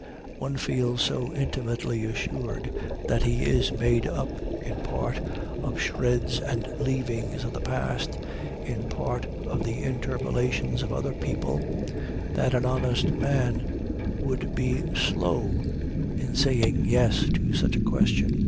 One feels so intimately assured that he is made up, in part, of shreds and leavings of the past, in part of the interpolations of other people, that an honest man would be slow in saying yes to such a question.